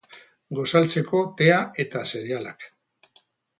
Gosaltzeko, tea eta zerealak.